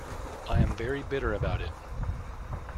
I am very bitter about it.